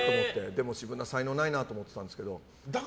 でも才能ないなと思ってたんですけど。